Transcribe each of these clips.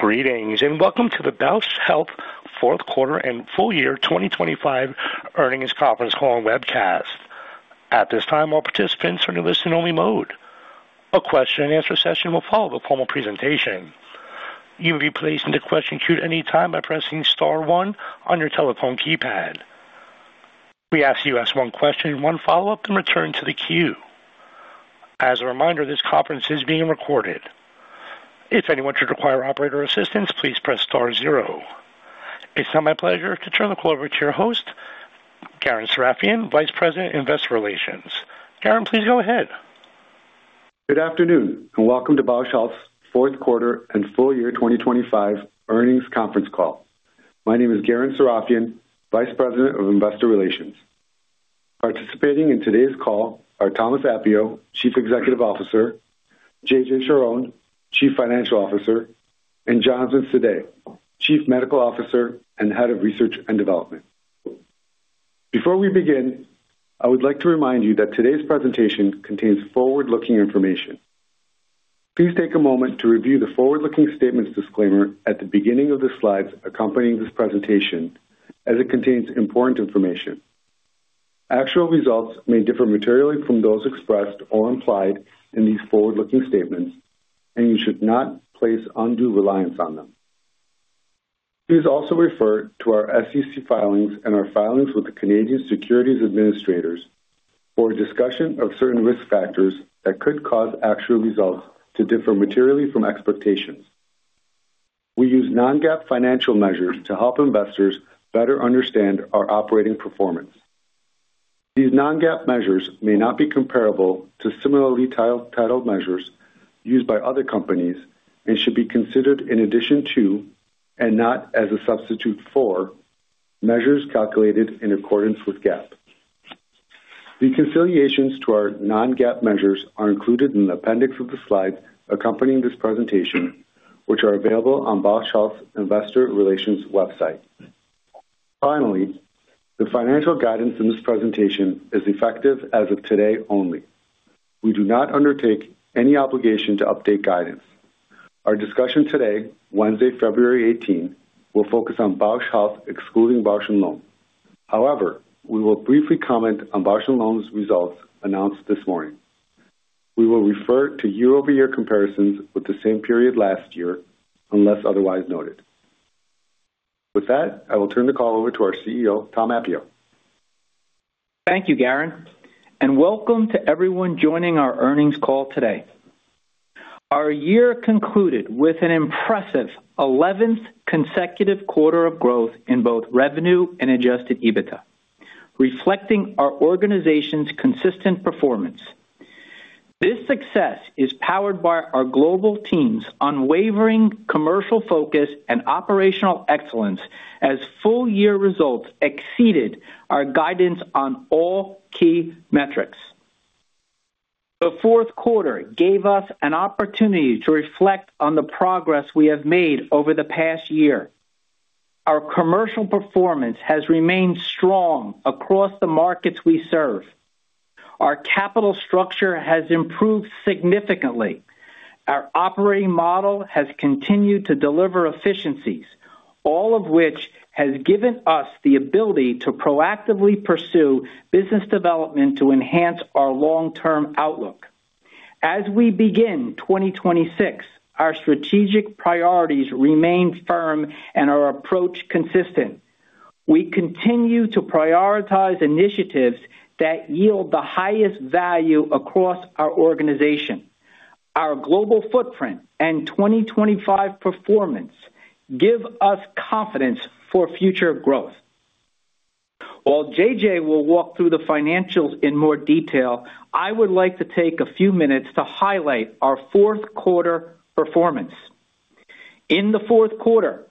Greetings, and welcome to the Bausch Health fourth quarter and full year 2025 earnings conference call and webcast. At this time, all participants are in listen-only mode. A question-and-answer session will follow the formal presentation. You will be placed in the question queue at any time by pressing star one on your telephone keypad. We ask you to ask one question and one follow-up, then return to the queue. As a reminder, this conference is being recorded. If anyone should require operator assistance, please press star zero. It's now my pleasure to turn the call over to your host, Garen Sarafian, Vice President, Investor Relations. Garen, please go ahead. Good afternoon, and welcome to Bausch Health's fourth quarter and full year 2025 earnings conference call. My name is Garen Sarafian, Vice President of Investor Relations. Participating in today's call are Thomas Appio, Chief Executive Officer; JJ Charhon, Chief Financial Officer; and Jonathan Sadeh, Chief Medical Officer and Head of Research and Development. Before we begin, I would like to remind you that today's presentation contains forward-looking information. Please take a moment to review the forward-looking statements disclaimer at the beginning of the slides accompanying this presentation, as it contains important information. Actual results may differ materially from those expressed or implied in these forward-looking statements, and you should not place undue reliance on them. Please also refer to our SEC filings and our filings with the Canadian Securities Administrators for a discussion of certain risk factors that could cause actual results to differ materially from expectations. We use non-GAAP financial measures to help investors better understand our operating performance. These non-GAAP measures may not be comparable to similarly titled, titled measures used by other companies and should be considered in addition to, and not as a substitute for, measures calculated in accordance with GAAP. Reconciliations to our non-GAAP measures are included in the appendix of the slides accompanying this presentation, which are available on Bausch Health's Investor Relations website. Finally, the financial guidance in this presentation is effective as of today only. We do not undertake any obligation to update guidance. Our discussion today, Wednesday, February eighteenth, will focus on Bausch Health, excluding Bausch + Lomb. However, we will briefly comment on Bausch + Lomb's results announced this morning. We will refer to year-over-year comparisons with the same period last year, unless otherwise noted. With that, I will turn the call over to our CEO, Tom Appio. Thank you, Garen, and welcome to everyone joining our earnings call today. Our year concluded with an impressive eleventh consecutive quarter of growth in both revenue and adjusted EBITDA, reflecting our organization's consistent performance. This success is powered by our global team's unwavering commercial focus and operational excellence as full-year results exceeded our guidance on all key metrics. The fourth quarter gave us an opportunity to reflect on the progress we have made over the past year. Our commercial performance has remained strong across the markets we serve. Our capital structure has improved significantly. Our operating model has continued to deliver efficiencies, all of which has given us the ability to proactively pursue business development to enhance our long-term outlook. As we begin 2026, our strategic priorities remain firm and our approach consistent. We continue to prioritize initiatives that yield the highest value across our organization. Our global footprint and 2025 performance give us confidence for future growth. While JJ will walk through the financials in more detail, I would like to take a few minutes to highlight our fourth quarter performance. In the fourth quarter,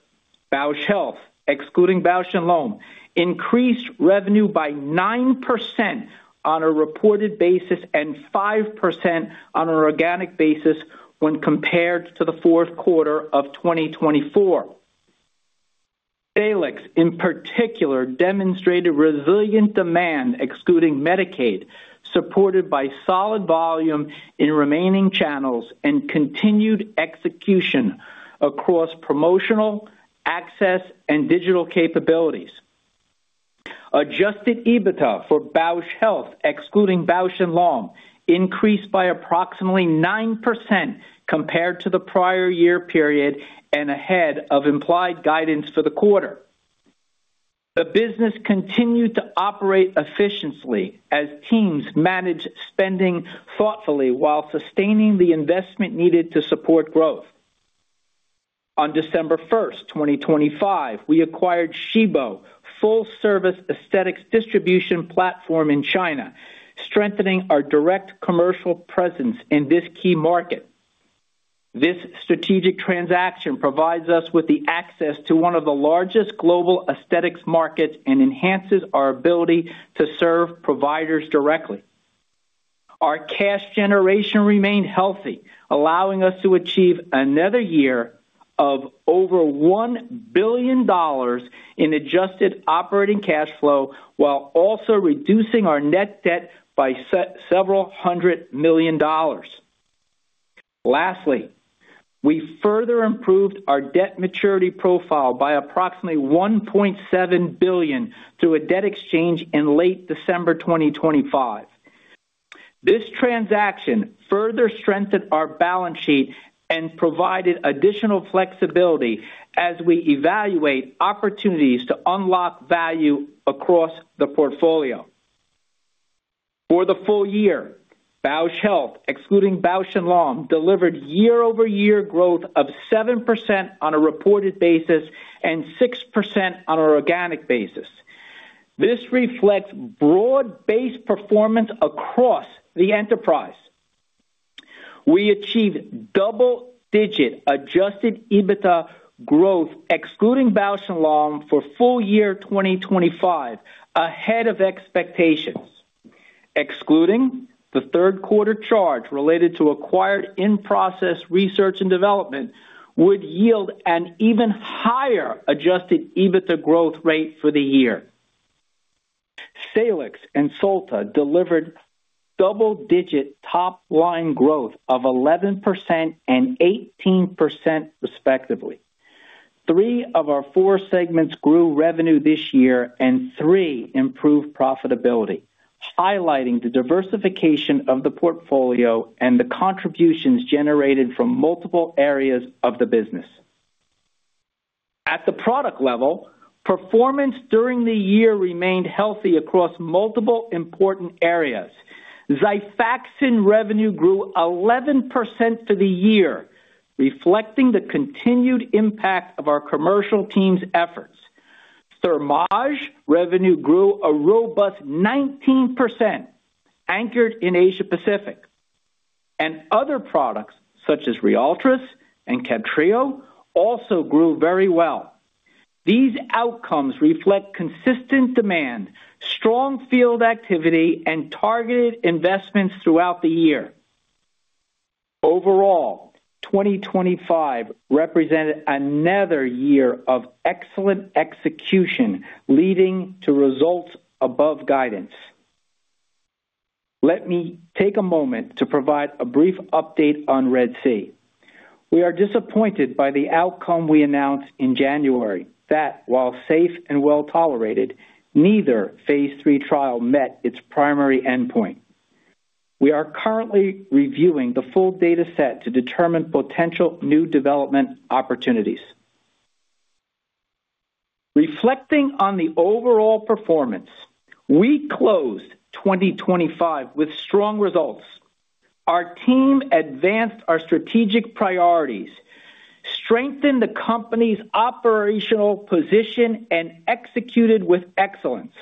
Bausch Health, excluding Bausch + Lomb, increased revenue by 9% on a reported basis and 5% on an organic basis when compared to the fourth quarter of 2024. Salix, in particular, demonstrated resilient demand, excluding Medicaid, supported by solid volume in remaining channels and continued execution across promotional, access, and digital capabilities. Adjusted EBITDA for Bausch Health, excluding Bausch + Lomb, increased by approximately 9% compared to the prior year period and ahead of implied guidance for the quarter. The business continued to operate efficiently as teams managed spending thoughtfully while sustaining the investment needed to support growth. On December 1, 2025, we acquired Shibo, full-service aesthetics distribution platform in China, strengthening our direct commercial presence in this key market. This strategic transaction provides us with the access to one of the largest global aesthetics markets and enhances our ability to serve providers directly. Our cash generation remained healthy, allowing us to achieve another year of over $1 billion in adjusted operating cash flow, while also reducing our net debt by several hundred million dollars. Lastly, we further improved our debt maturity profile by approximately $1.7 billion through a debt exchange in late December 2025. This transaction further strengthened our balance sheet and provided additional flexibility as we evaluate opportunities to unlock value across the portfolio. For the full year, Bausch Health, excluding Bausch + Lomb, delivered year-over-year growth of 7% on a reported basis and 6% on an organic basis. This reflects broad-based performance across the enterprise. We achieved double-digit Adjusted EBITDA growth, excluding Bausch + Lomb, for full year 2025, ahead of expectations. Excluding the third quarter charge related to acquired in-process research and development, would yield an even higher Adjusted EBITDA growth rate for the year. Salix and Solta delivered double-digit top-line growth of 11% and 18%, respectively. Three of our four segments grew revenue this year, and three improved profitability, highlighting the diversification of the portfolio and the contributions generated from multiple areas of the business. At the product level, performance during the year remained healthy across multiple important areas. XIFAXAN revenue grew 11% for the year, reflecting the continued impact of our commercial team's efforts. Thermage revenue grew a robust 19%, anchored in Asia Pacific, and other products, such as Ryaltris and CABTRIO, also grew very well. These outcomes reflect consistent demand, strong field activity, and targeted investments throughout the year. Overall, 2025 represented another year of excellent execution, leading to results above guidance. Let me take a moment to provide a brief update on RED-C. We are disappointed by the outcome we announced in January, that while safe and well-tolerated, neither phase 3 trial met its primary endpoint. We are currently reviewing the full data set to determine potential new development opportunities. Reflecting on the overall performance, we closed 2025 with strong results. Our team advanced our strategic priorities, strengthened the company's operational position, and executed with excellence.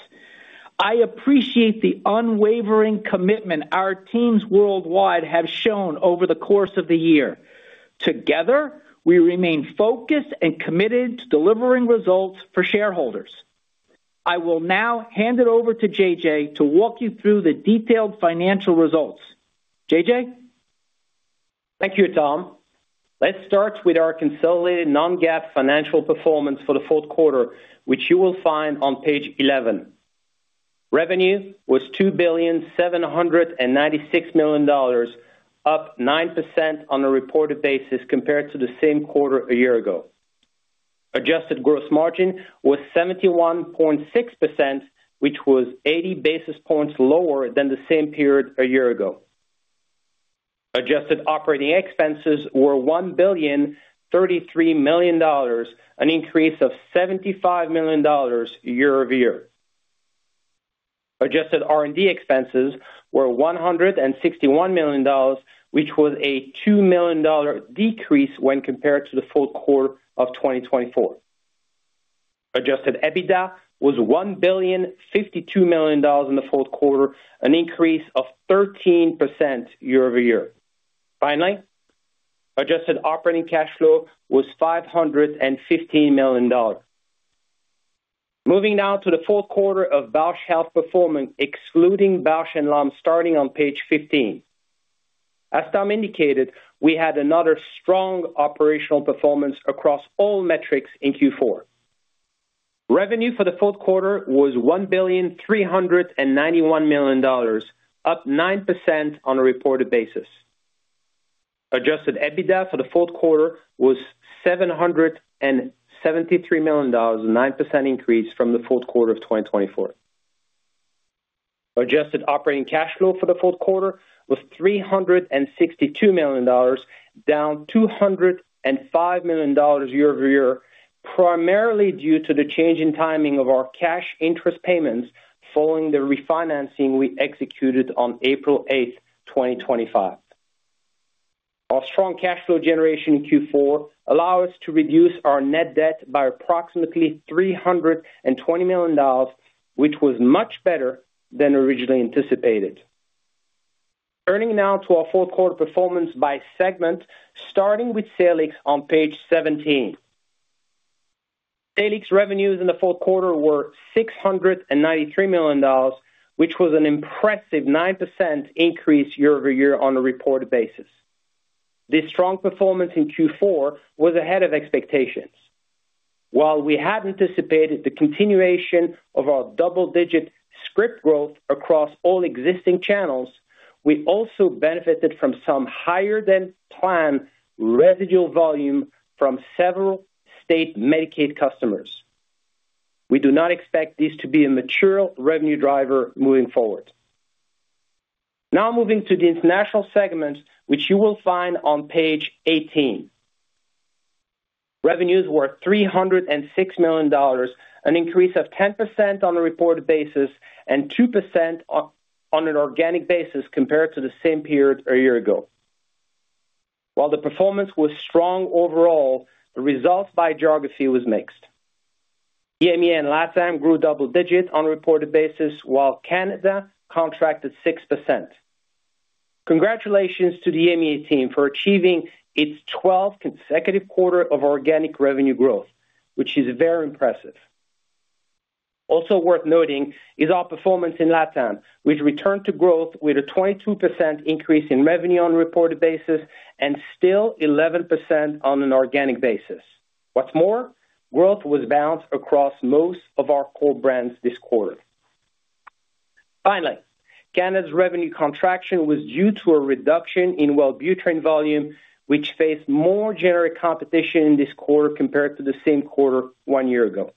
I appreciate the unwavering commitment our teams worldwide have shown over the course of the year. Together, we remain focused and committed to delivering results for shareholders. I will now hand it over to JJ to walk you through the detailed financial results. JJ? Thank you, Tom. Let's start with our consolidated non-GAAP financial performance for the fourth quarter, which you will find on page eleven. Revenue was $2,796 million, up 9% on a reported basis compared to the same quarter a year ago. Adjusted gross margin was 71.6%, which was 80 basis points lower than the same period a year ago. Adjusted operating expenses were $1,033 million, an increase of $75 million year-over-year. Adjusted R&D expenses were $161 million, which was a $2 million decrease when compared to the fourth quarter of 2024. Adjusted EBITDA was $1,052 million in the fourth quarter, an increase of 13% year-over-year. Finally, adjusted operating cash flow was $515 million. Moving now to the fourth quarter of Bausch Health performance, excluding Bausch + Lomb, starting on page 15. As Tom indicated, we had another strong operational performance across all metrics in Q4. Revenue for the fourth quarter was $1,391 million, up 9% on a reported basis. Adjusted EBITDA for the fourth quarter was $773 million, a 9% increase from the fourth quarter of 2024. Adjusted operating cash flow for the fourth quarter was $362 million, down $205 million year-over-year, primarily due to the change in timing of our cash interest payments following the refinancing we executed on April eighth, 2025. Our strong cash flow generation in Q4 allow us to reduce our net debt by approximately $320 million, which was much better than originally anticipated. Turning now to our fourth quarter performance by segment, starting with Salix on page seventeen. Salix revenues in the fourth quarter were $693 million, which was an impressive 9% increase year-over-year on a reported basis. This strong performance in Q4 was ahead of expectations. While we had anticipated the continuation of our double-digit script growth across all existing channels, we also benefited from some higher than planned residual volume from several state Medicaid customers. We do not expect this to be a mature revenue driver moving forward. Now, moving to the international segment, which you will find on page eighteen. Revenues were $306 million, an increase of 10% on a reported basis and 2% on an organic basis compared to the same period a year ago. While the performance was strong overall, the results by geography was mixed. EMEA and LatAm grew double digits on a reported basis, while Canada contracted 6%. Congratulations to the EMEA team for achieving its twelfth consecutive quarter of organic revenue growth, which is very impressive. Also worth noting is our performance in LatAm, which returned to growth with a 22% increase in revenue on a reported basis and still 11% on an organic basis. What's more, growth was balanced across most of our core brands this quarter. Finally, Canada's revenue contraction was due to a reduction in Wellbutrin volume, which faced more generic competition in this quarter compared to the same quarter one year ago.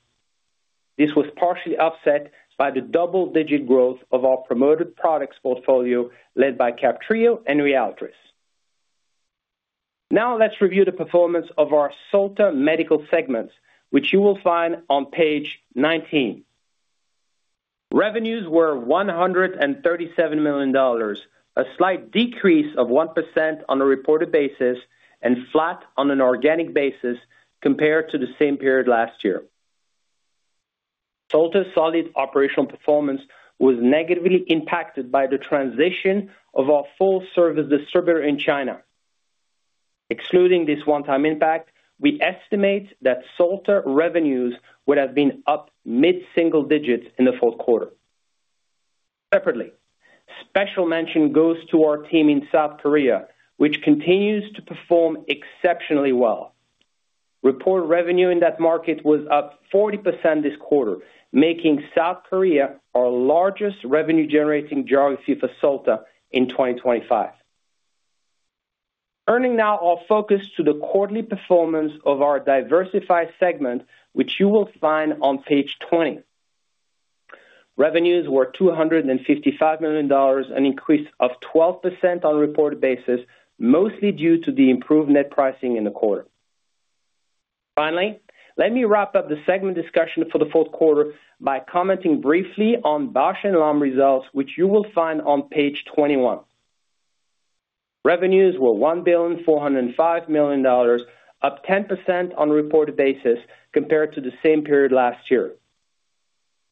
This was partially offset by the double-digit growth of our promoted products portfolio, led by CABTRIO and Ryaltris. Now, let's review the performance of our Solta Medical segment, which you will find on page 19. Revenues were $137 million, a slight decrease of 1% on a reported basis, and flat on an organic basis compared to the same period last year. Solta's solid operational performance was negatively impacted by the transition of our full-service distributor in China. Excluding this one-time impact, we estimate that Solta revenues would have been up mid-single digits in the fourth quarter. Separately, special mention goes to our team in South Korea, which continues to perform exceptionally well. Reported revenue in that market was up 40% this quarter, making South Korea our largest revenue-generating geography for Solta in 2025. Turning now our focus to the quarterly performance of our diversified segment, which you will find on page 20. Revenues were $255 million, an increase of 12% on a reported basis, mostly due to the improved net pricing in the quarter. Finally, let me wrap up the segment discussion for the fourth quarter by commenting briefly on Bausch + Lomb results, which you will find on page 21. Revenues were $1.405 billion, up 10% on a reported basis compared to the same period last year.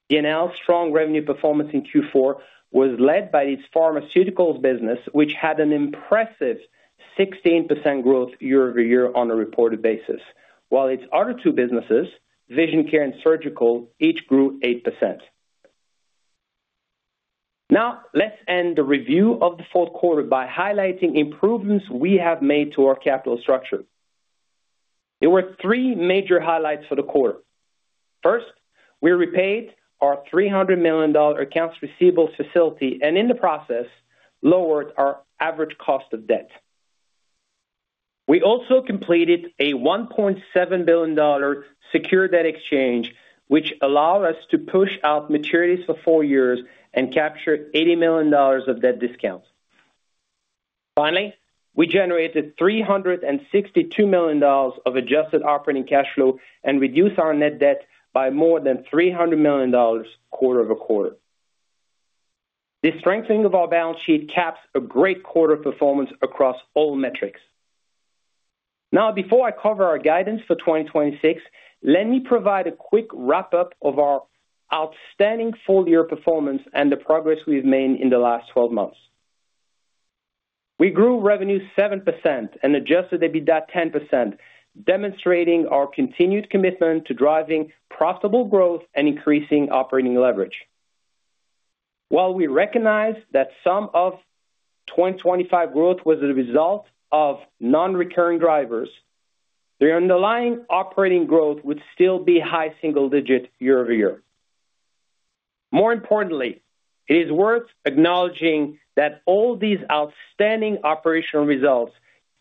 B+L's strong revenue performance in Q4 was led by its pharmaceuticals business, which had an impressive 16% growth year-over-year on a reported basis, while its other two businesses, vision care and surgical, each grew 8%. Now, let's end the review of the fourth quarter by highlighting improvements we have made to our capital structure. There were three major highlights for the quarter. First, we repaid our $300 million accounts receivable facility and, in the process, lowered our average cost of debt. We also completed a $1.7 billion secure debt exchange, which allowed us to push out maturities for four years and capture $80 million of debt discounts. Finally, we generated $362 million of adjusted operating cash flow and reduced our net debt by more than $300 million quarter-over-quarter. This strengthening of our balance sheet caps a great quarter performance across all metrics. Now, before I cover our guidance for 2026, let me provide a quick wrap-up of our outstanding full-year performance and the progress we've made in the last 12 months. We grew revenue 7% and Adjusted EBITDA 10%, demonstrating our continued commitment to driving profitable growth and increasing operating leverage. While we recognize that some of 2025 growth was a result of non-recurring drivers, the underlying operating growth would still be high single digits year-over-year. More importantly, it is worth acknowledging that all these outstanding operational results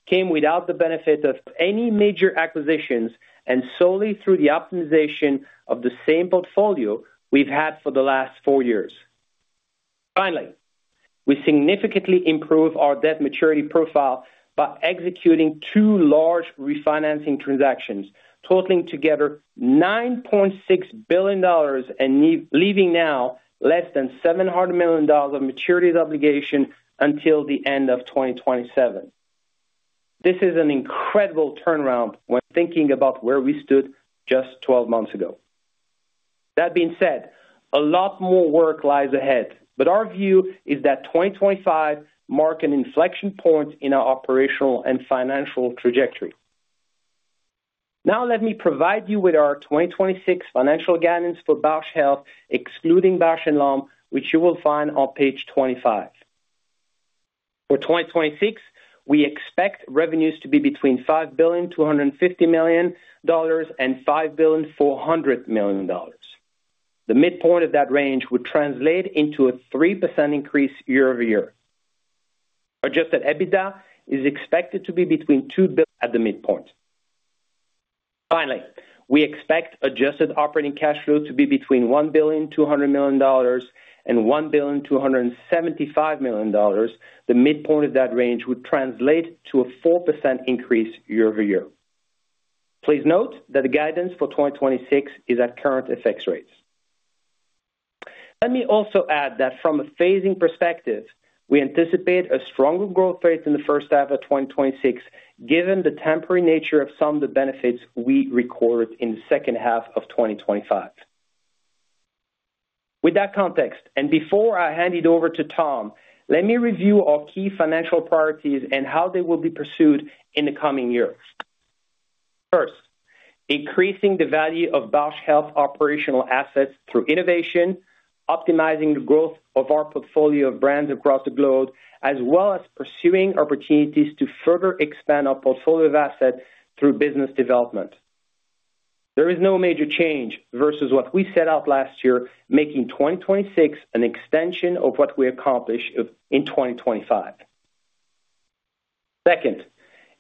came without the benefit of any major acquisitions and solely through the optimization of the same portfolio we've had for the last 4 years. Finally, we significantly improved our debt maturity profile by executing two large refinancing transactions, totaling together $9.6 billion and leaving now less than $700 million of maturities obligation until the end of 2027. This is an incredible turnaround when thinking about where we stood just twelve months ago.... That being said, a lot more work lies ahead, but our view is that 2025 mark an inflection point in our operational and financial trajectory. Now, let me provide you with our 2026 financial guidance for Bausch Health, excluding Bausch + Lomb, which you will find on page 25. For 2026, we expect revenues to be between $5.25 billion and $5.4 billion. The midpoint of that range would translate into a 3% increase year-over-year. Adjusted EBITDA is expected to be between $2 billion-$2.1 billion at the midpoint. Finally, we expect adjusted operating cash flow to be between $1.2 billion and $1.275 billion. The midpoint of that range would translate to a 4% increase year-over-year. Please note that the guidance for 2026 is at current FX rates. Let me also add that from a phasing perspective, we anticipate a stronger growth rate in the first half of 2026, given the temporary nature of some of the benefits we recorded in the second half of 2025. With that context, and before I hand it over to Tom, let me review our key financial priorities and how they will be pursued in the coming years. First, increasing the value of Bausch Health operational assets through innovation, optimizing the growth of our portfolio of brands across the globe, as well as pursuing opportunities to further expand our portfolio of assets through business development. There is no major change versus what we set out last year, making 2026 an extension of what we accomplished in 2025. Second,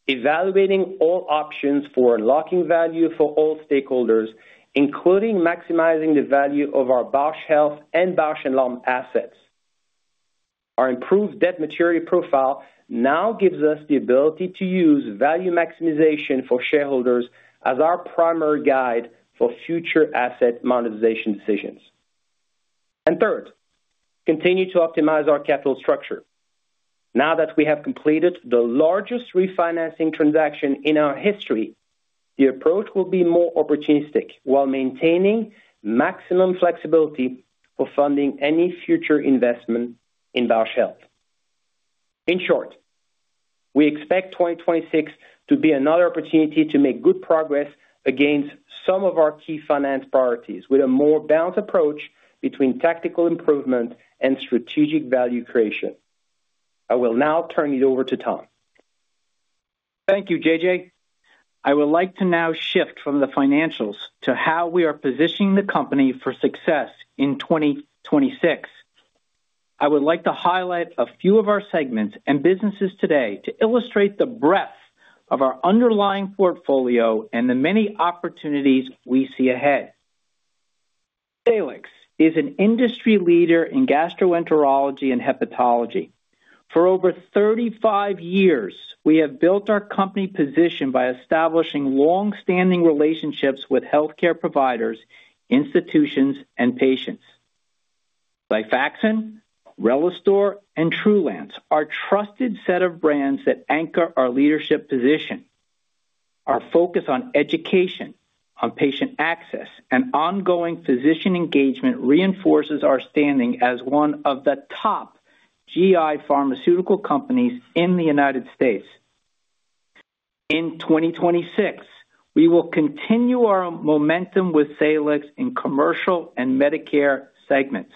evaluating all options for unlocking value for all stakeholders, including maximizing the value of our Bausch Health and Bausch + Lomb assets. Our improved debt maturity profile now gives us the ability to use value maximization for shareholders as our primary guide for future asset monetization decisions. And third, continue to optimize our capital structure. Now that we have completed the largest refinancing transaction in our history, the approach will be more opportunistic while maintaining maximum flexibility for funding any future investment in Bausch Health. In short, we expect 2026 to be another opportunity to make good progress against some of our key finance priorities, with a more balanced approach between tactical improvement and strategic value creation. I will now turn it over to Tom. Thank you, JJ. I would like to now shift from the financials to how we are positioning the company for success in 2026. I would like to highlight a few of our segments and businesses today to illustrate the breadth of our underlying portfolio and the many opportunities we see ahead. Salix is an industry leader in gastroenterology and hepatology. For over 35 years, we have built our company position by establishing long-standing relationships with healthcare providers, institutions, and patients. XIFAXAN, RELISTOR, and TRULANCE are trusted set of brands that anchor our leadership position. Our focus on education, on patient access, and ongoing physician engagement reinforces our standing as one of the top GI pharmaceutical companies in the United States. In 2026, we will continue our momentum with Salix in commercial and Medicare segments.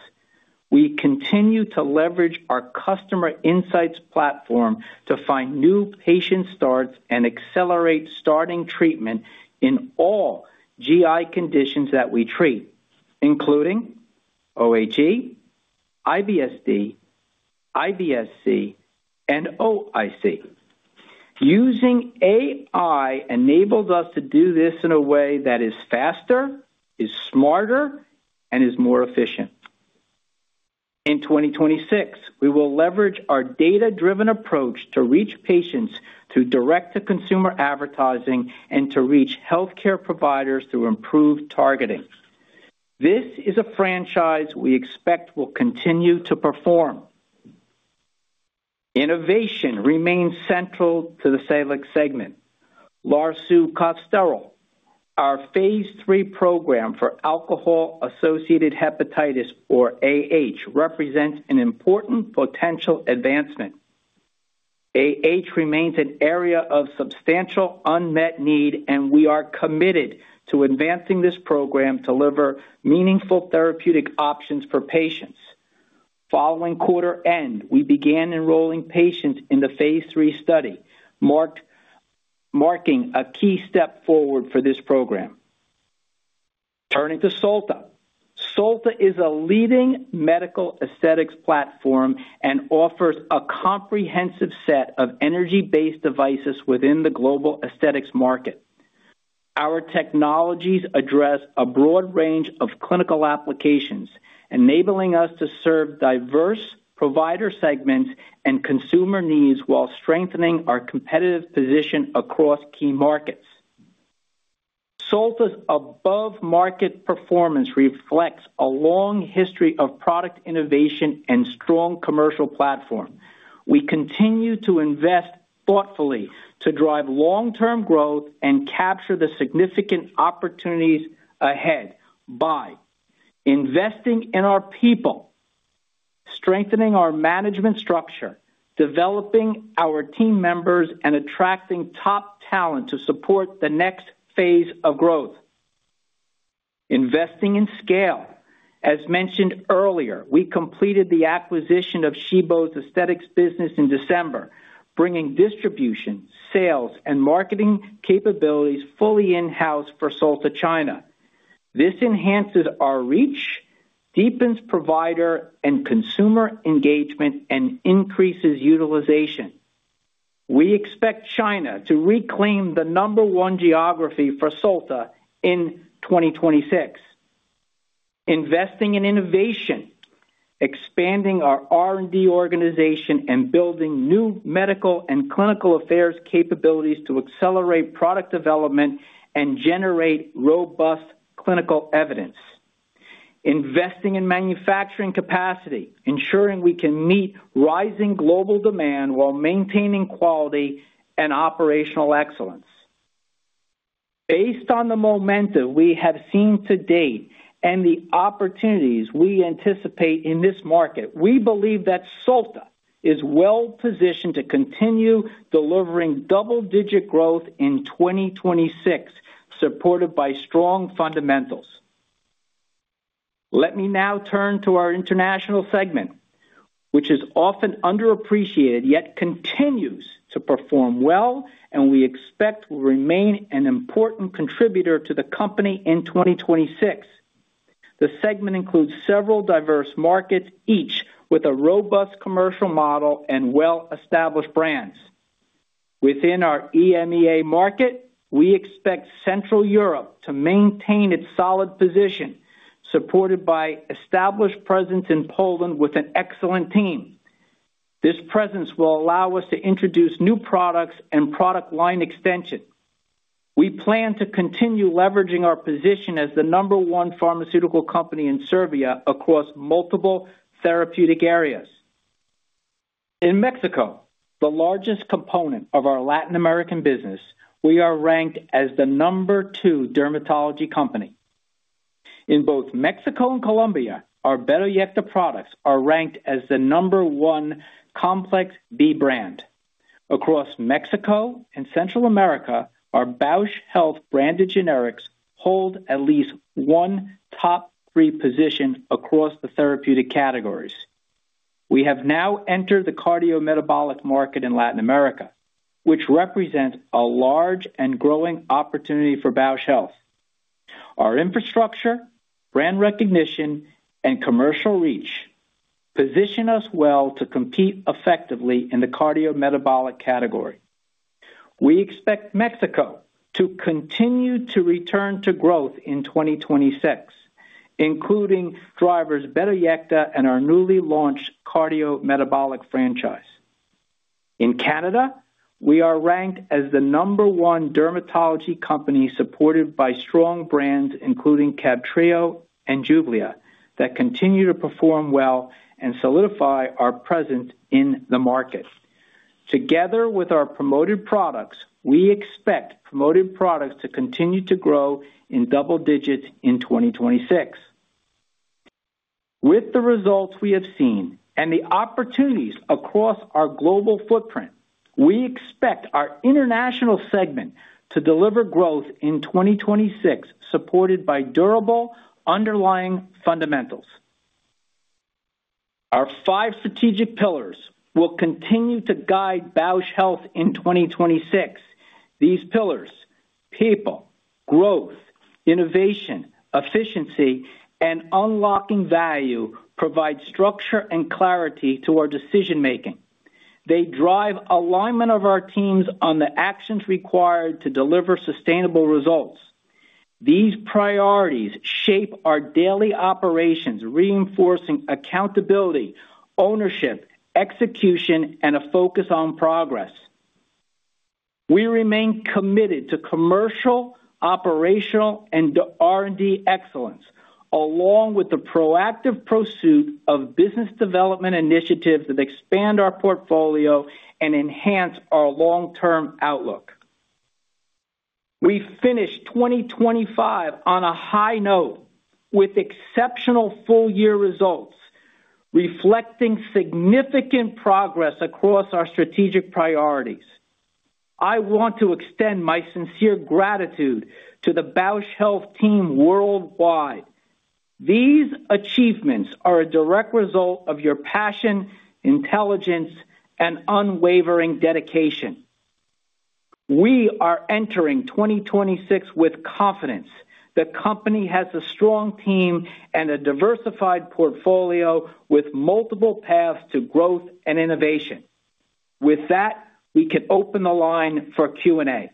We continue to leverage our customer insights platform to find new patient starts and accelerate starting treatment in all GI conditions that we treat, including OHE, IBS-D, IBS-C, and OIC. Using AI enables us to do this in a way that is faster, is smarter, and is more efficient. In 2026, we will leverage our data-driven approach to reach patients through direct-to-consumer advertising and to reach healthcare providers through improved targeting. This is a franchise we expect will continue to perform. Innovation remains central to the Salix segment. Larsucosterol, our phase III program for alcohol-associated hepatitis, or AH, represents an important potential advancement. AH remains an area of substantial unmet need, and we are committed to advancing this program to deliver meaningful therapeutic options for patients. Following quarter end, we began enrolling patients in the phase III study, marking a key step forward for this program. Turning to Solta. Solta is a leading medical aesthetics platform and offers a comprehensive set of energy-based devices within the global aesthetics market. Our technologies address a broad range of clinical applications, enabling us to serve diverse provider segments and consumer needs while strengthening our competitive position across key markets. Solta's above-market performance reflects a long history of product innovation and strong commercial platform. We continue to invest thoughtfully to drive long-term growth and capture the significant opportunities ahead by investing in our people, strengthening our management structure, developing our team members, and attracting top talent to support the next phase of growth. Investing in scale. As mentioned earlier, we completed the acquisition of Shibo's Aesthetics business in December, bringing distribution, sales, and marketing capabilities fully in-house for Solta China. This enhances our reach, deepens provider and consumer engagement, and increases utilization. We expect China to reclaim the number one geography for Solta in 2026. Investing in innovation, expanding our R&D organization, and building new medical and clinical affairs capabilities to accelerate product development and generate robust clinical evidence. Investing in manufacturing capacity, ensuring we can meet rising global demand while maintaining quality and operational excellence. Based on the momentum we have seen to date and the opportunities we anticipate in this market, we believe that Solta is well positioned to continue delivering double-digit growth in 2026, supported by strong fundamentals. Let me now turn to our international segment, which is often underappreciated, yet continues to perform well and we expect will remain an important contributor to the company in 2026. The segment includes several diverse markets, each with a robust commercial model and well-established brands. Within our EMEA market, we expect Central Europe to maintain its solid position, supported by established presence in Poland with an excellent team. This presence will allow us to introduce new products and product line extension. We plan to continue leveraging our position as the number one pharmaceutical company in Serbia across multiple therapeutic areas. In Mexico, the largest component of our Latin American business, we are ranked as the number two dermatology company. In both Mexico and Colombia, our Better Yet products are ranked as the number one complex B brand. Across Mexico and Central America, our Bausch Health branded generics hold at least one top three position across the therapeutic categories. We have now entered the cardiometabolic market in Latin America, which represents a large and growing opportunity for Bausch Health. Our infrastructure, brand recognition, and commercial reach position us well to compete effectively in the cardiometabolic category. We expect Mexico to continue to return to growth in 2026, including drivers Betteryecta and our newly launched cardiometabolic franchise. In Canada, we are ranked as the number one dermatology company, supported by strong brands, including CABTRIO and Juvelia, that continue to perform well and solidify our presence in the market. Together with our promoted products, we expect promoted products to continue to grow in double digits in 2026. With the results we have seen and the opportunities across our global footprint, we expect our international segment to deliver growth in 2026, supported by durable underlying fundamentals. Our five strategic pillars will continue to guide Bausch Health in 2026. These pillars: people, growth, innovation, efficiency, and unlocking value, provide structure and clarity to our decision-making. They drive alignment of our teams on the actions required to deliver sustainable results. These priorities shape our daily operations, reinforcing accountability, ownership, execution, and a focus on progress. We remain committed to commercial, operational, and R&D excellence, along with the proactive pursuit of business development initiatives that expand our portfolio and enhance our long-term outlook. We finished 2025 on a high note, with exceptional full year results, reflecting significant progress across our strategic priorities. I want to extend my sincere gratitude to the Bausch Health team worldwide. These achievements are a direct result of your passion, intelligence, and unwavering dedication. We are entering 2026 with confidence. The company has a strong team and a diversified portfolio with multiple paths to growth and innovation. With that, we can open the line for Q&A.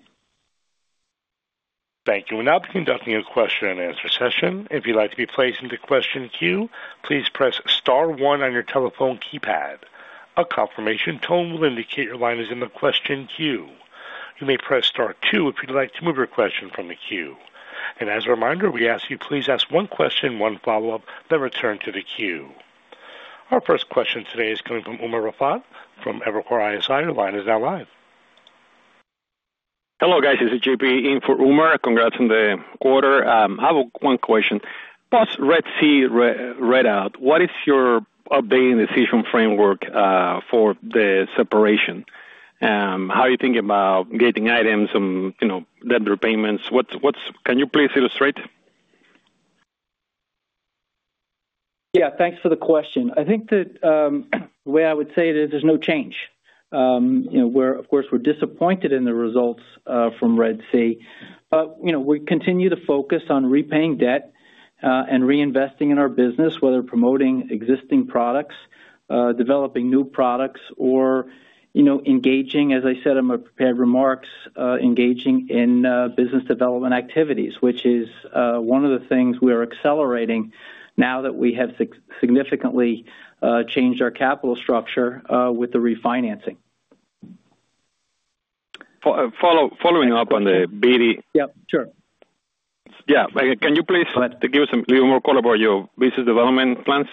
Thank you. We'll now be conducting a question and answer session. If you'd like to be placed into question queue, please press star one on your telephone keypad. A confirmation tone will indicate your line is in the question queue. You may press star two if you'd like to move your question from the queue. As a reminder, we ask you, please ask one question, one follow-up, then return to the queue. Our first question today is coming from Umer Raffat from Evercore ISI. Your line is now live. Hello, guys. This is JP in for Umer. Congrats on the quarter. I have one question. Post Red Sea readout, what is your updated decision framework for the separation? How are you thinking about getting items and, you know, debt repayments? Can you please illustrate? Yeah, thanks for the question. I think that, the way I would say it is, there's no change. You know, we're, of course, we're disappointed in the results from Red Sea, but, you know, we continue to focus on repaying debt, and reinvesting in our business, whether promoting existing products, developing new products, or, you know, engaging, as I said in my prepared remarks, engaging in, business development activities, which is, one of the things we are accelerating now that we have significantly, changed our capital structure, with the refinancing. Following up on the BD. Yeah, sure. Yeah. Can you please give us a little more color about your business development plans?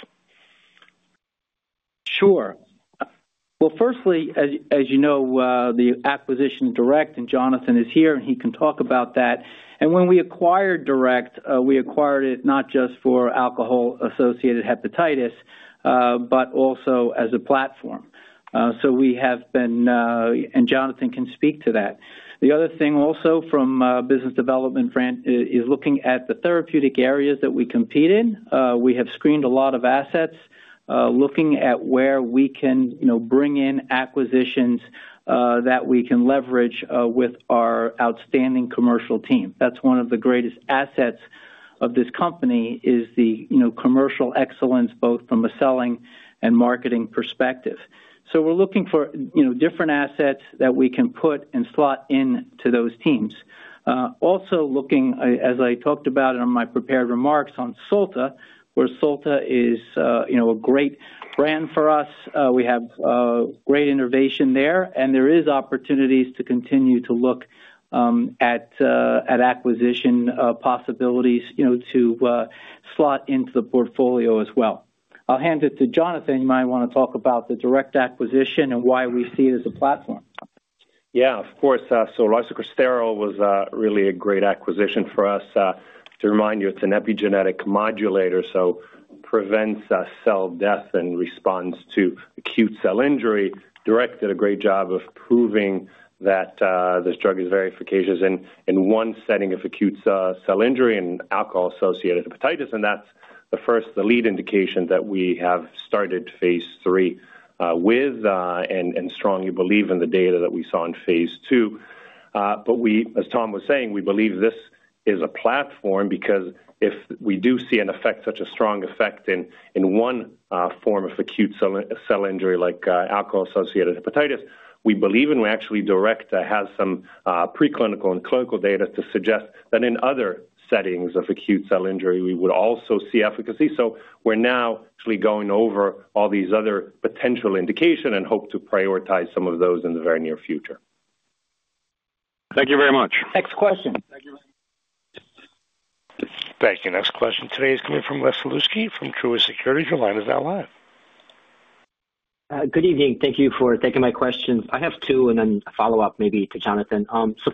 Sure. Well, firstly, as you know, the acquisition of DURECT, and Jonathan is here, and he can talk about that. And when we acquired DURECT, we acquired it not just for alcohol-associated hepatitis, but also as a platform. So we have been... And Jonathan can speak to that. The other thing also from the business development front is looking at the therapeutic areas that we compete in. We have screened a lot of assets, looking at where we can, you know, bring in acquisitions, that we can leverage, with our outstanding commercial team. That's one of the greatest assets of this company, is the, you know, commercial excellence, both from a selling and marketing perspective. So we're looking for, you know, different assets that we can put and slot into those teams. Also looking, as I talked about in my prepared remarks on Solta, where Solta is, you know, a great brand for us. We have great innovation there, and there is opportunities to continue to look at acquisition possibilities, you know, to slot into the portfolio as well. I'll hand it to Jonathan. You might want to talk about the DURECT acquisition and why we see it as a platform. Yeah, of course. So larsucosterol was really a great acquisition for us. To remind you, it's an epigenetic modulator, so prevents cell death and responds to acute cell injury. DURECT did a great job of proving that this drug is very efficacious in one setting of acute cell injury and alcohol-associated hepatitis, and that's the first, the lead indication that we have started phase 3 with, and strongly believe in the data that we saw in phase 2. But we, as Tom was saying, we believe this is a platform, because if we do see an effect, such a strong effect in one form of acute cell injury like alcohol-associated hepatitis, we believe and actually DURECT has some preclinical and clinical data to suggest that in other settings of acute cell injury, we would also see efficacy. So we're now actually going over all these other potential indication and hope to prioritize some of those in the very near future. Thank you very much. Next question. Thank you. Next question today is coming from Les Folewski from Truist Securities. Your line is now live. Good evening. Thank you for taking my questions. I have two, and then a follow-up maybe to Jonathan.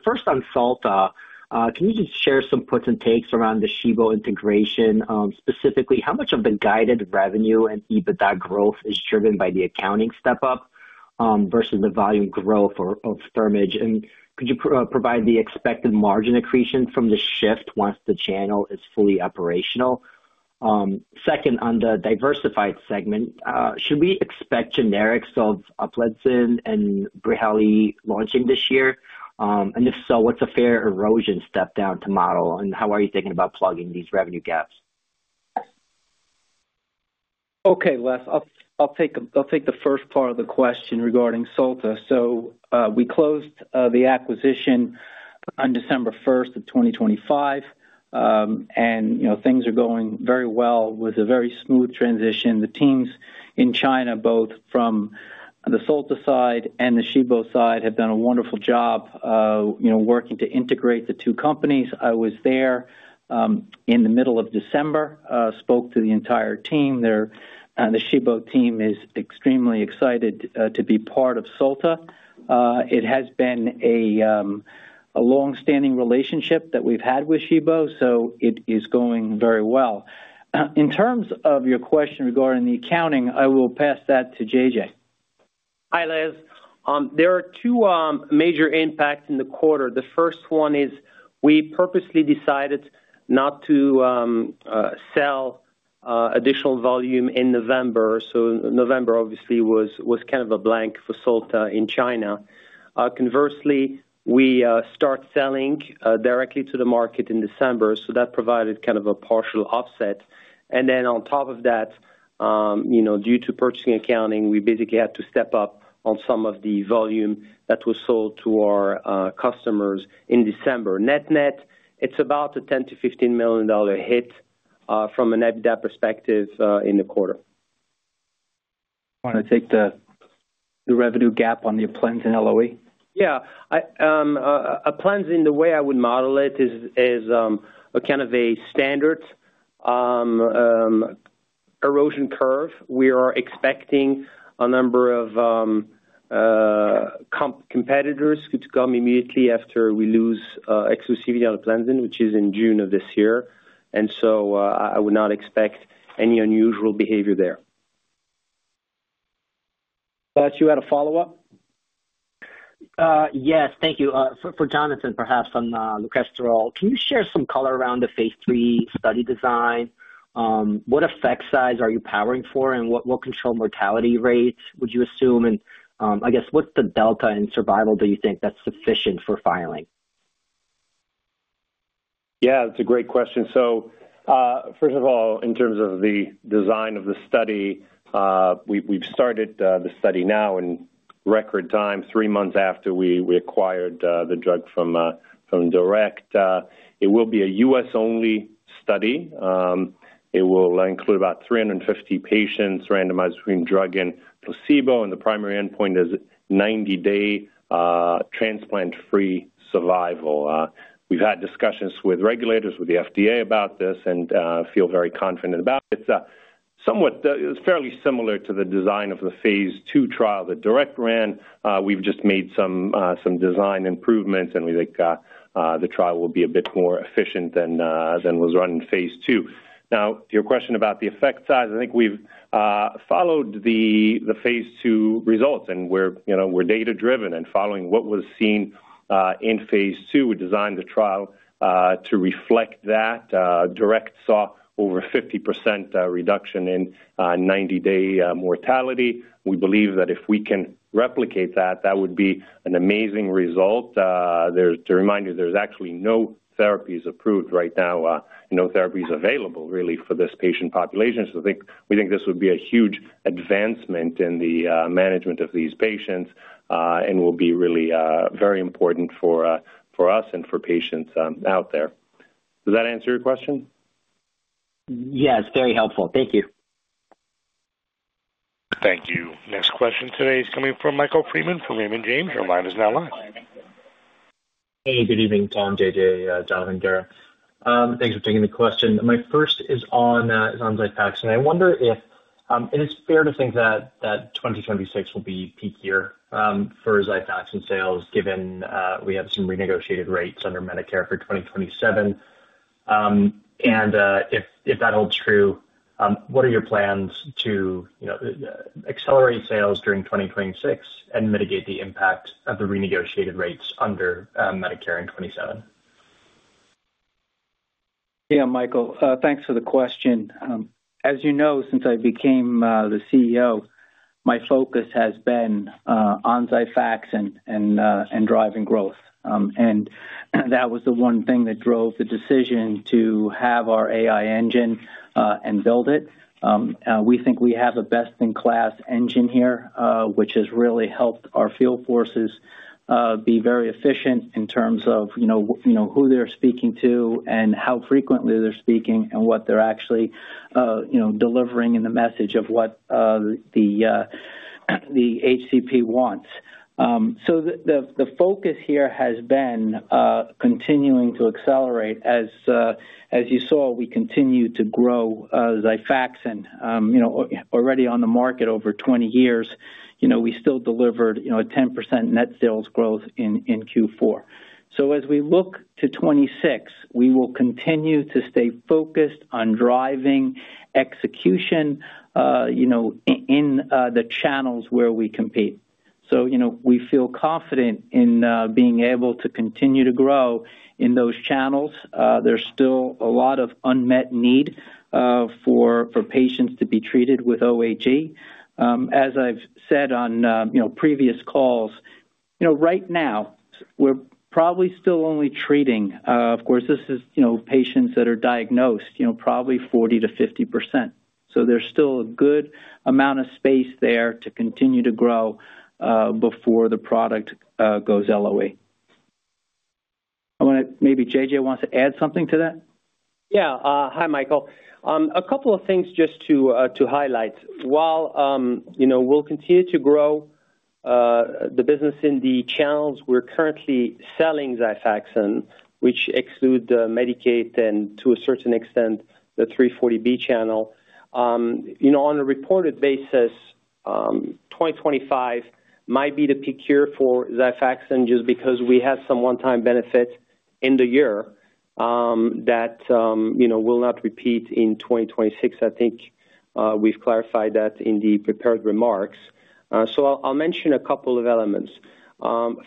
First on Solta, can you just share some puts and takes around the Shibo integration? Specifically, how much of the guided revenue and EBITDA growth is driven by the accounting step up, versus the volume growth or, of Thermage? And could you provide the expected margin accretion from the shift once the channel is fully operational? Second, on the diversified segment, should we expect generics of Uplizna and Breheley launching this year? If so, what's a fair erosion step down to model, and how are you thinking about plugging these revenue gaps? Okay, Les, I'll take the first part of the question regarding Solta. So, we closed the acquisition on December 1, 2025. And you know, things are going very well with a very smooth transition. The teams in China, both from the Solta side and the Shibo side, have done a wonderful job of, you know, working to integrate the two companies. I was there in the middle of December, spoke to the entire team. They're the Shibo team is extremely excited to be part of Solta. It has been a long-standing relationship that we've had with Shibo, so it is going very well. In terms of your question regarding the accounting, I will pass that to JJ. Hi, Les. There are two major impacts in the quarter. The first one is we purposely decided not to sell additional volume in November. So November obviously was kind of a blank for Solta in China. Conversely, we start selling directly to the market in December, so that provided kind of a partial offset. And then on top of that, you know, due to purchasing accounting, we basically had to step up on some of the volume that was sold to our customers in December. Net-net, it's about a $10-$15 million hit from an EBITDA perspective in the quarter.... Want to take the revenue gap on the Plendin LOE? Yeah, I, Plendin, the way I would model it is, is a kind of a standard erosion curve. We are expecting a number of competitors to come immediately after we lose exclusivity on Plendin, which is in June of this year. I would not expect any unusual behavior there. You had a follow-up? Yes, thank you. For Jonathan, perhaps on larsucosterol. Can you share some color around the phase 3 study design? What effect size are you powering for, and what control mortality rates would you assume? I guess, what's the delta in survival, do you think, that's sufficient for filing? Yeah, it's a great question. First of all, in terms of the design of the study, we've started the study now in record time, three months after we acquired the drug from DURECT. It will be a U.S.-only study. It will include about 350 patients randomized between drug and placebo, and the primary endpoint is 90-day transplant-free survival. We've had discussions with regulators, with the FDA about this and feel very confident about it. It's fairly similar to the design of the phase 2 trial that DURECT ran. We've just made some design improvements, and we think the trial will be a bit more efficient than was run in phase 2. Now, to your question about the effect size, I think we've followed the phase 2 results, and we're, you know, we're data-driven and following what was seen in phase 2. We designed the trial to reflect that. DURECT saw over 50% reduction in 90-day mortality. We believe that if we can replicate that, that would be an amazing result. To remind you, there's actually no therapies approved right now, no therapies available really, for this patient population. So I think, we think this would be a huge advancement in the management of these patients, and will be really very important for us and for patients out there. Does that answer your question? Yes, very helpful. Thank you. Thank you. Next question today is coming from Michael Freeman from Lehman James. Your line is now live. Hey, good evening, Tom, J.J., Jonathan, Dara. Thanks for taking the question. My first is on Xifaxan. I wonder if it's fair to think that 2026 will be peak year for Xifaxan sales, given we have some renegotiated rates under Medicare for 2027. If that holds true, what are your plans to, you know, accelerate sales during 2026 and mitigate the impact of the renegotiated rates under Medicare in 2027? Yeah, Michael, thanks for the question. As you know, since I became the CEO, my focus has been on Xifaxan and driving growth. And that was the one thing that drove the decision to have our AI engine and build it. We think we have a best-in-class engine here, which has really helped our field forces be very efficient in terms of, you know, who they're speaking to and how frequently they're speaking, and what they're actually delivering in the message of what the HCP wants. So the focus here has been continuing to accelerate. As you saw, we continue to grow Xifaxan, you know, already on the market over 20 years. You know, we still delivered, you know, a 10% net sales growth in Q4. So as we look to 2026, we will continue to stay focused on driving execution, you know, in the channels where we compete. So, you know, we feel confident in being able to continue to grow in those channels. There's still a lot of unmet need for patients to be treated with OHE. As I've said on, you know, previous calls, you know, right now, we're probably still only treating, of course, this is, you know, patients that are diagnosed, you know, probably 40%-50%. So there's still a good amount of space there to continue to grow before the product goes LOE. I wanna... Maybe JJ wants to add something to that. Yeah. Hi, Michael. A couple of things just to highlight. While, you know, we'll continue to grow the business in the channels, we're currently selling XIFAXAN, which exclude the Medicaid and to a certain extent, the 340B channel. You know, on a reported basis, 2025 might be the peak year for XIFAXAN just because we had some one-time benefits in the year, that, you know, will not repeat in 2026. I think, we've clarified that in the prepared remarks. So I'll mention a couple of elements.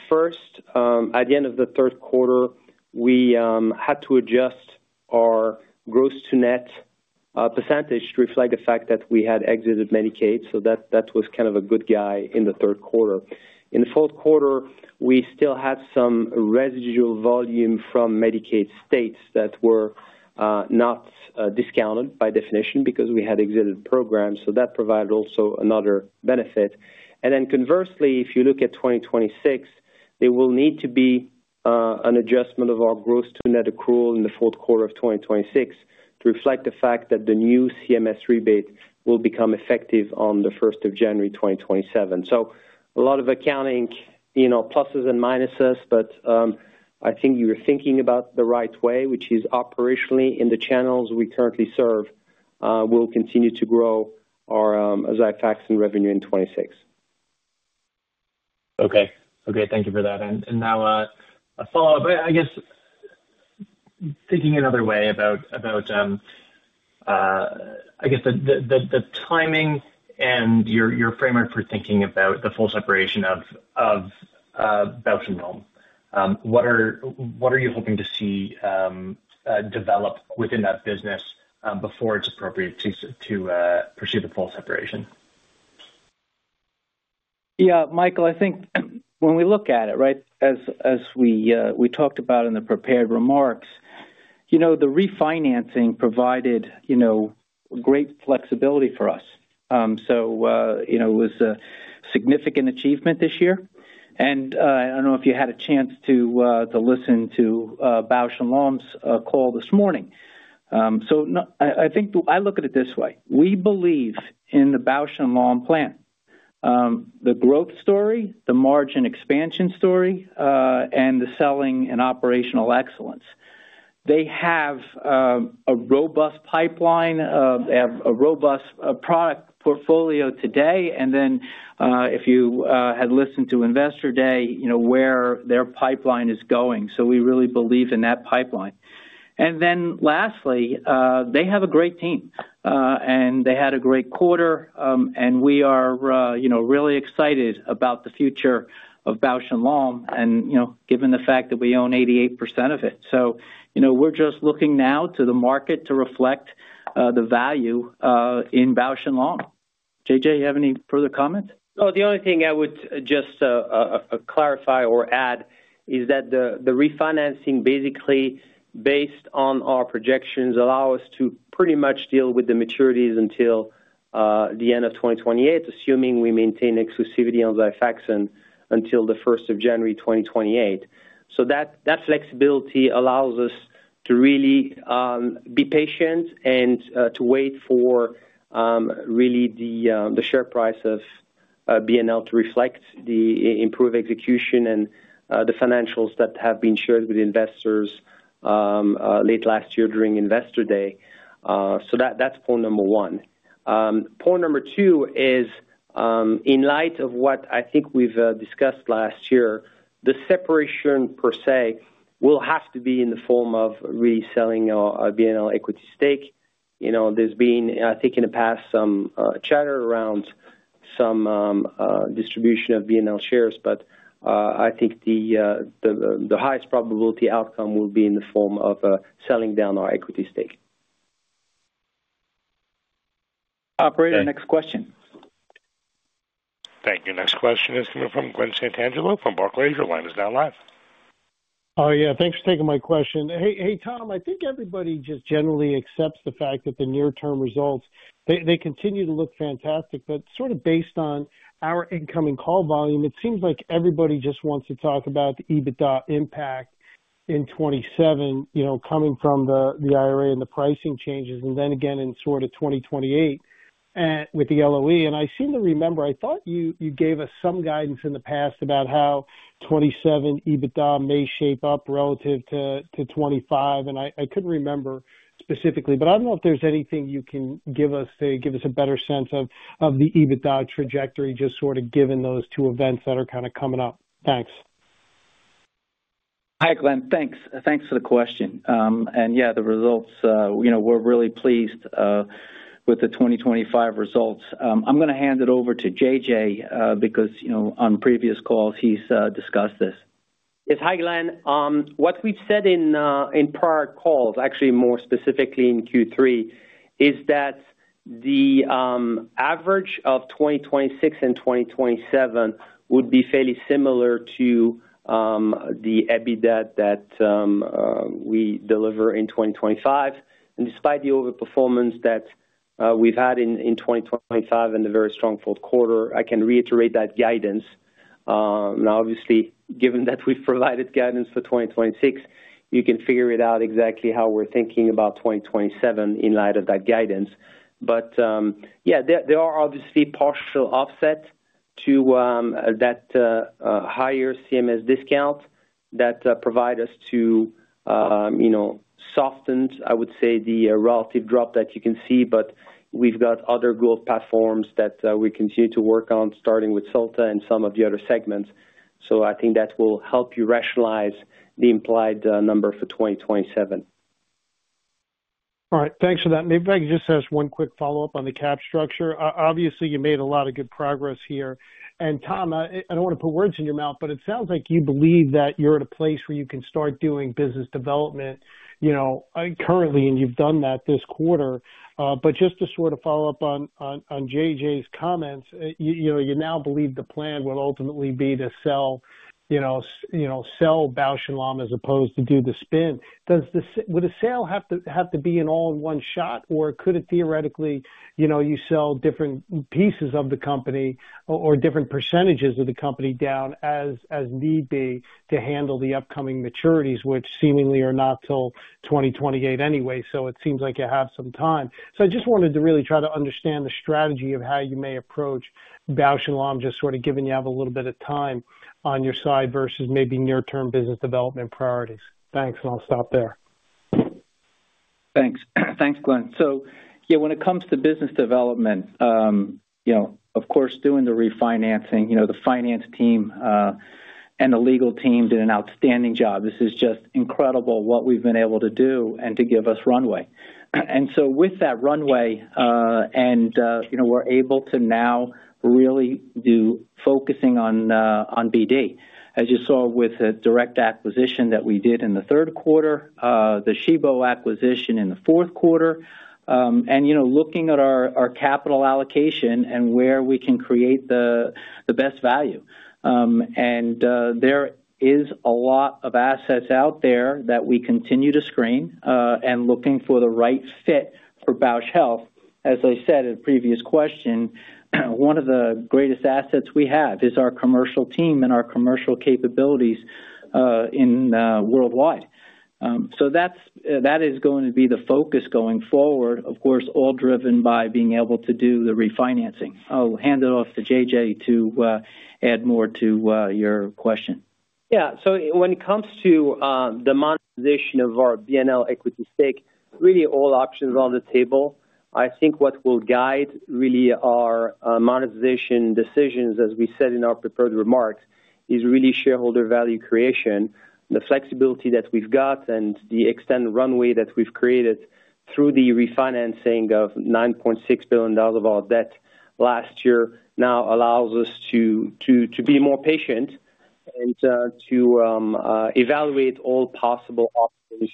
First, at the end of the third quarter, we had to adjust our gross to net percentage to reflect the fact that we had exited Medicaid, so that was kind of a good guy in the third quarter. In the fourth quarter, we still had some residual volume from Medicaid states that were not discounted by definition because we had exited programs, so that provided also another benefit. Conversely, if you look at 2026, there will need to be an adjustment of our gross to net accrual in the fourth quarter of 2026 to reflect the fact that the new CMS rebate will become effective on the first of January, 2027. A lot of accounting, you know, pluses and minuses, but I think you're thinking about the right way, which is operationally in the channels we currently serve, we'll continue to grow our XIFAXAN revenue in 2026. Okay. Okay, thank you for that. Now, a follow-up, I guess, thinking another way about the timing and your framework for thinking about the full separation of Bausch + Lomb. What are you hoping to see develop within that business before it's appropriate to pursue the full separation? Yeah, Michael, I think when we look at it, right, as we talked about in the prepared remarks, you know, the refinancing provided, you know, great flexibility for us. So, you know, it was a significant achievement this year, and I don't know if you had a chance to listen to Bausch + Lomb's call this morning. So, I think I look at it this way: we believe in the Bausch + Lomb plan. The growth story, the margin expansion story, and the selling and operational excellence. They have a robust pipeline, they have a robust product portfolio today, and then, if you had listened to Investor Day, you know, where their pipeline is going, so we really believe in that pipeline. And then lastly, they have a great team, and they had a great quarter, and we are, you know, really excited about the future of Bausch + Lomb and, you know, given the fact that we own 88% of it. So, you know, we're just looking now to the market to reflect the value in Bausch + Lomb. JJ, you have any further comments? The only thing I would just clarify or add is that the refinancing, basically based on our projections, allow us to pretty much deal with the maturities until the end of 2028, assuming we maintain exclusivity on XIFAXAN until the first of January, 2028. That flexibility allows us to really be patient and to wait for the share price of BNL to reflect the improved execution and the financials that have been shared with investors late last year during Investor Day. That's point number one. Point number two is, in light of what I think we've discussed last year, the separation per se will have to be in the form of reselling our BNL equity stake. You know, there's been, I think, in the past, some chatter around some distribution of B&L shares, but I think the highest probability outcome will be in the form of selling down our equity stake. Operator, next question. Thank you. Next question is coming from Glenn Santangelo from Barclays. Your line is now live. Oh, yeah, thanks for taking my question. Hey, Tom, I think everybody just generally accepts the fact that the near-term results, they continue to look fantastic, but sort of based on our incoming call volume, it seems like everybody just wants to talk about the EBITDA impact in 2027, you know, coming from the IRA and the pricing changes, and then again in sort of 2028 with the LOE. And I seem to remember, I thought you gave us some guidance in the past about how 2027 EBITDA may shape up relative to 2025, and I couldn't remember specifically, but I don't know if there's anything you can give us to give us a better sense of the EBITDA trajectory, just sort of given those two events that are kind of coming up. Thanks. Hi, Glenn. Thanks. Thanks for the question. Yeah, the results, you know, we're really pleased with the 2025 results. I'm gonna hand it over to JJ, because, you know, on previous calls he's discussed this. Yes. Hi, Glenn. What we've said in, in prior calls, actually more specifically in Q3, is that the average of 2026 and 2027 would be fairly similar to the EBITDA that we deliver in 2025. And despite the overperformance that we've had in, in 2025 and the very strong fourth quarter, I can reiterate that guidance. Now, obviously, given that we've provided guidance for 2026, you can figure it out exactly how we're thinking about 2027 in light of that guidance. But, yeah, there are obviously partial offset to that higher CMS discount that provide us to, you know, soften, I would say, the relative drop that you can see, but we've got other growth platforms that we continue to work on, starting with Solta and some of the other segments. So I think that will help you rationalize the implied number for 2027. All right. Thanks for that. Maybe if I could just ask one quick follow-up on the cap structure. Obviously, you made a lot of good progress here. And Tom, I don't want to put words in your mouth, but it sounds like you believe that you're at a place where you can start doing business development, you know, currently, and you've done that this quarter. But just to sort of follow up on JJ's comments, you know, you now believe the plan will ultimately be to sell, you know, sell Bausch + Lomb, as opposed to do the spin. Would the sale have to be an all in one shot, or could it theoretically, you know, you sell different pieces of the company or different percentages of the company down as need be, to handle the upcoming maturities, which seemingly are not till 2028 anyway, so it seems like you have some time. So I just wanted to really try to understand the strategy of how you may approach Bausch + Lomb, just sort of given you have a little bit of time on your side versus maybe near-term business development priorities. Thanks, and I'll stop there.... Thanks. Thanks, Glenn. So, yeah, when it comes to business development, you know, of course, doing the refinancing, you know, the finance team, and the legal team did an outstanding job. This is just incredible what we've been able to do and to give us runway. And so with that runway, and, you know, we're able to now really do focusing on, on BD. As you saw with the DURECT acquisition that we did in the third quarter, the Shibo acquisition in the fourth quarter, and, you know, looking at our, our capital allocation and where we can create the, the best value. And, there is a lot of assets out there that we continue to screen, and looking for the right fit for Bausch Health. As I said in a previous question, one of the greatest assets we have is our commercial team and our commercial capabilities, in worldwide. That's-- that is going to be the focus going forward, of course, all driven by being able to do the refinancing. I'll hand it off to JJ to add more to your question. Yeah, when it comes to the monetization of our BNL equity stake, really all options are on the table. I think what will guide really our monetization decisions, as we said in our prepared remarks, is really shareholder value creation. The flexibility that we've got and the extended runway that we've created through the refinancing of $9.6 billion of our debt last year now allows us to be more patient and to evaluate all possible options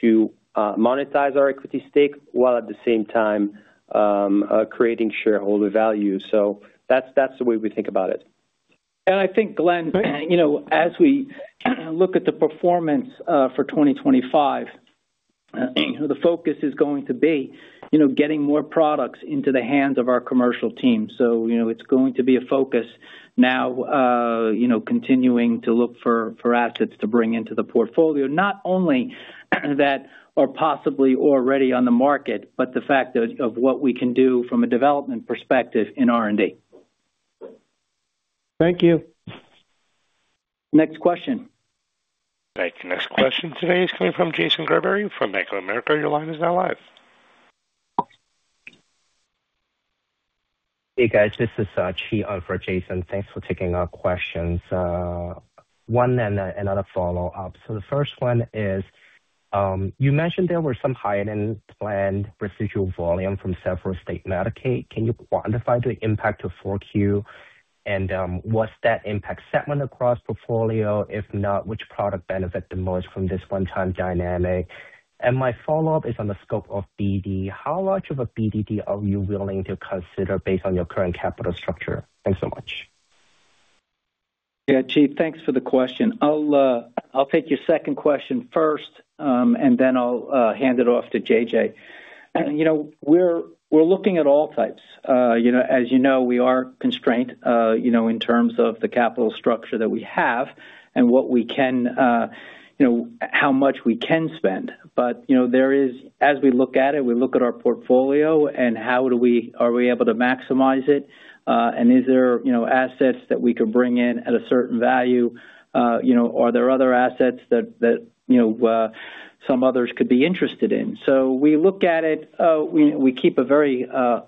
to monetize our equity stake, while at the same time creating shareholder value. That's the way we think about it. I think, Glenn, you know, as we look at the performance for 2025, the focus is going to be, you know, getting more products into the hands of our commercial team. So, you know, it's going to be a focus now, you know, continuing to look for assets to bring into the portfolio, not only that are possibly already on the market, but the fact of what we can do from a development perspective in R&D. Thank you. Next question. Thank you. Next question today is coming from Jason Gerberry from Bank of America. Your line is now live. Hey, guys, this is Chi in for Jason. Thanks for taking our questions. One and another follow-up. So the first one is, you mentioned there were some higher-than-planned residual volume from several state Medicaid. Can you quantify the impact of 4Q? And was that impact segment across portfolio? If not, which product benefit the most from this one-time dynamic? And my follow-up is on the scope of BD. How much of a BDD are you willing to consider based on your current capital structure? Thanks so much. Yeah, Chi, thanks for the question. I'll take your second question first, and then I'll hand it off to JJ. You know, we're looking at all types. You know, as you know, we are constrained in terms of the capital structure that we have and what we can, you know, how much we can spend. But, you know, there is... As we look at it, we look at our portfolio and how do we, are we able to maximize it? And is there, you know, assets that we can bring in at a certain value? You know, are there other assets that, that, you know, some others could be interested in? So we look at it. We keep a very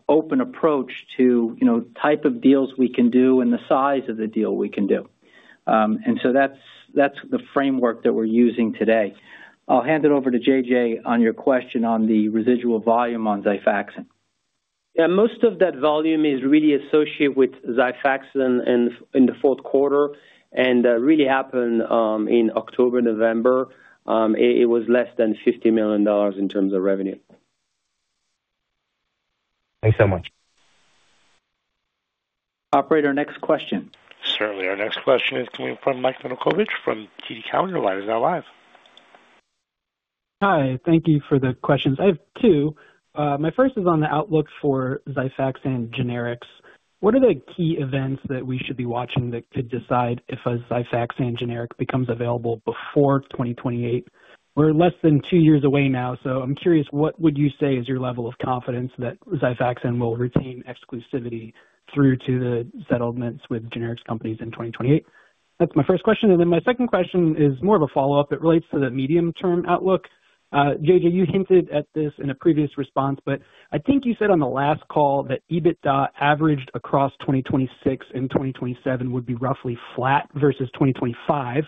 open approach to, you know, type of deals we can do and the size of the deal we can do. So that's the framework that we're using today. I'll hand it over to JJ on your question on the residual volume on Xifaxan. Yeah, most of that volume is really associated with XIFAXAN in the fourth quarter, and really happened in October, November. It was less than $50 million in terms of revenue. Thanks so much. Operator, next question. Certainly. Our next question is coming from Mike Makovich from KeyBanc. Your line is now live. Hi, thank you for the questions. I have two. My first is on the outlook for Xifaxan generics. What are the key events that we should be watching that could decide if a Xifaxan generic becomes available before 2028? We're less than two years away now, so I'm curious, what would you say is your level of confidence that Xifaxan will retain exclusivity through to the settlements with generics companies in 2028? That's my first question, and then my second question is more of a follow-up. It relates to the medium-term outlook. JJ, you hinted at this in a previous response, but I think you said on the last call that EBITDA averaged across 2026 and 2027 would be roughly flat versus 2025.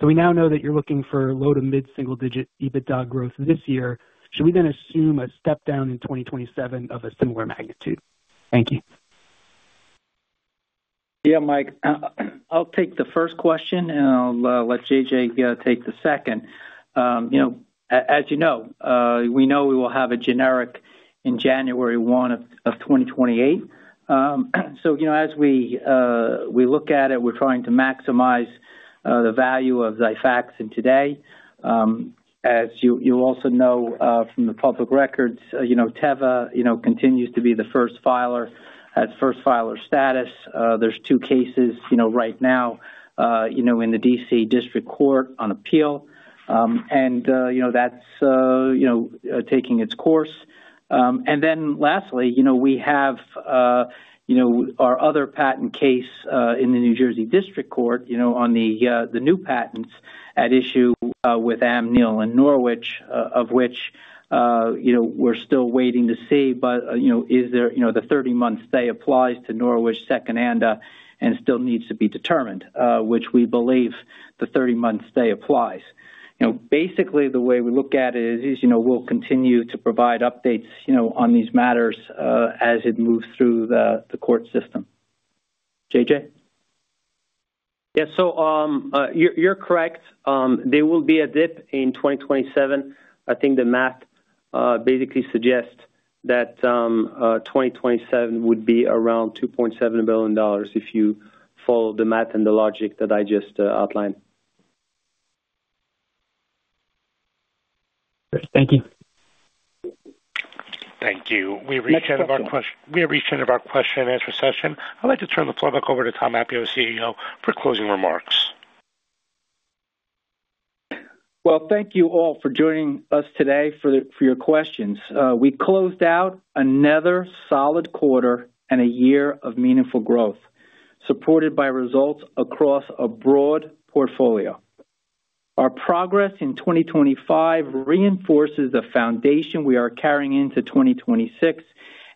So we now know that you're looking for low- to mid-single-digit EBITDA growth this year. Should we then assume a step down in 2027 of a similar magnitude? Thank you. Yeah, Mike, I'll take the first question, and I'll let JJ take the second. You know, as you know, we know we will have a generic in January 1, 2028. So, you know, as we look at it, we're trying to maximize the value of XIFAXAN today. As you also know, from the public records, you know, Teva continues to be the first filer. At first filer status, there's two cases, you know, right now, in the D.C. District Court on appeal, and you know, that's taking its course. And then lastly, you know, we have our other patent case in the New Jersey District Court, you know, on the new patents at issue with Amneal and Norwich, of which, you know, we're still waiting to see. But, you know, is there, you know, the 30-month stay applies to Norwich second ANDA and still needs to be determined, which we believe the 30-month stay applies. You know, basically, the way we look at it is, you know, we'll continue to provide updates, you know, on these matters as it moves through the court system. JJ? Yeah. So, you're correct. There will be a dip in 2027. I think the math basically suggests that 2027 would be around $2.7 billion if you follow the math and the logic that I just outlined. Thank you. Thank you. We've reached the end of our question and answer session. I'd like to turn the floor back over to Tom Appio, CEO, for closing remarks. Well, thank you all for joining us today for your questions. We closed out another solid quarter and a year of meaningful growth, supported by results across a broad portfolio. Our progress in 2025 reinforces the foundation we are carrying into 2026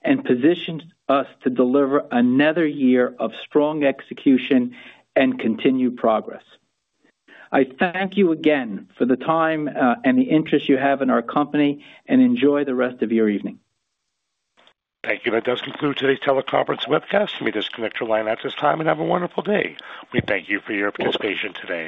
and positions us to deliver another year of strong execution and continued progress. I thank you again for the time, and the interest you have in our company, and enjoy the rest of your evening. Thank you. That does conclude today's teleconference webcast. We disconnect your line at this time, and have a wonderful day. We thank you for your participation today.